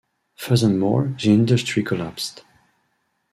Furthermore, the industry collapsed.